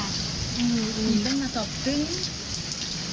อืมเป็นประสบตึ้ง